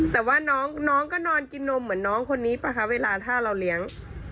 แต่ว่าน้องก็นอนกินนมเหมือนน้องคนนี้ป่ะคะเวลาถ้าเราเลี้ยง